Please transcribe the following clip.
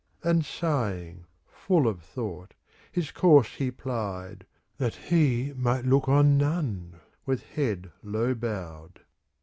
And sighing, full of thought, his course he plied. That he might look on none, with head low bowed.